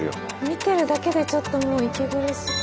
見てるだけでちょっともう息苦しく。